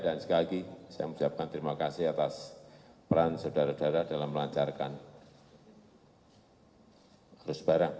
dan sekali lagi saya mengucapkan terima kasih atas peran saudara saudara dalam melancarkan arus barang